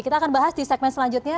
kita akan bahas di segmen selanjutnya